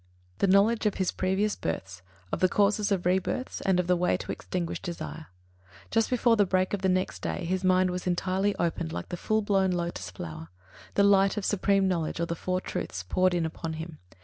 The knowledge of his previous births, of the causes of rebirths, and of the way to extinguish desires. Just before the break of the next day his mind was entirely opened, like the full blown lotus flower; the light of supreme knowledge, or the Four Truths, poured in upon him.